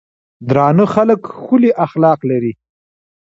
درانۀ خلک ښکلي اخلاق لري.